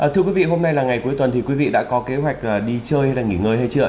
thưa quý vị hôm nay là ngày cuối tuần thì quý vị đã có kế hoạch đi chơi hay nghỉ ngơi hay chưa